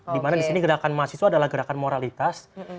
dimana di sini gerakan mahasiswa adalah gerakan moralitas